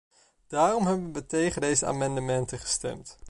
Daarom hebben we tegen deze amendementen gestemd.